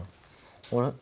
あれ？